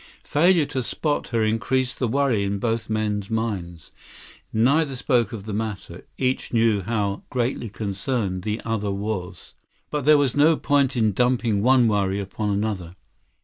Failure to spot her increased the worry in both men's minds. Neither spoke of the matter. Each knew how greatly concerned the other was. But there was no point in dumping one worry upon another.